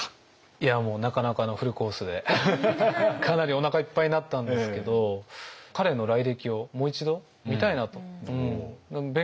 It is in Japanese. いやもうなかなかのフルコースでかなりおなかいっぱいになったんですけど彼の来歴をもう一度見たいなと勉強したいなと。